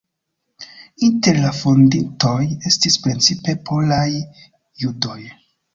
Inter la fondintoj estis precipe polaj judoj.